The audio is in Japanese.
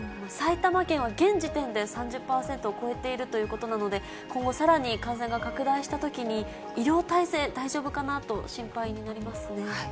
埼玉県は現時点で３０％を超えているということなので、今後、さらに感染が拡大したときに、医療体制、大丈夫かなと心配になりますね。